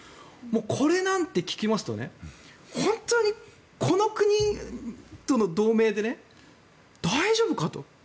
これなんて聞きますと本当にこの国との同盟で大丈夫かと。